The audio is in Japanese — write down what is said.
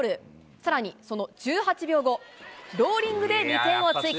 さらにその１８秒後、ローリングで２点を追加。